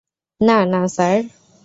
না, না স্যার।